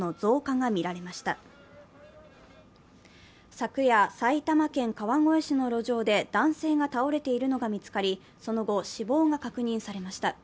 昨夜、埼玉県川越市の路上で男性が倒れているのが見つかり、その後、死亡が確認されました。